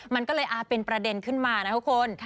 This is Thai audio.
มันก็เลยอาจเป็นประเด็นขึ้นมานะครับคุณ